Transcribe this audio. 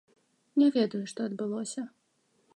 Не ведаю, што адбылося.